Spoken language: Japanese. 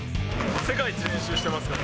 世界一練習してますから。